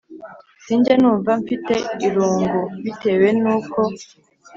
Sinjya numva mfite irungu bitewe n uko